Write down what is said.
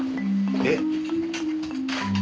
えっ？